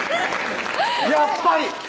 やっぱり！